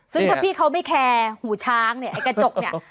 ซึ่งถ้าพี่เขาไม่แคร์หูช้างเนี่ยไอ้กระจกเนี่ย